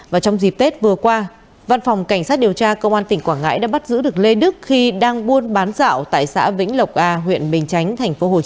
và trong dịp tết vừa qua văn phòng cảnh sát điều tra công an tỉnh quảng ngãi đã bắt giữ được lê đức khi đang buôn bán dạo tại xã vĩnh lộc a huyện bình chánh thành phố hồ chí minh